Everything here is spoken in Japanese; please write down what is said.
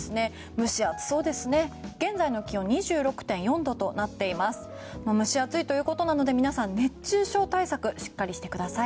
蒸し暑いということなので皆さん、熱中症対策しっかりしてください。